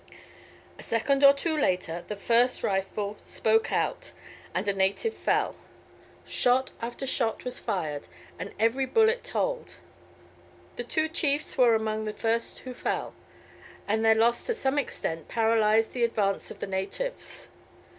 A second or two later the first rifle spoke out and a native fell. Shot after shot was fired and every bullet told. The two chiefs were among the first who fell, and their loss to some extent paralysed the advance of the natives.